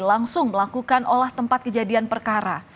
langsung melakukan olah tempat kejadian perkara